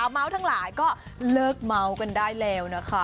เมาส์ทั้งหลายก็เลิกเมาส์กันได้แล้วนะคะ